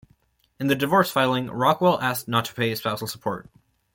In the divorce filing, Rockwell asked not to pay spousal support.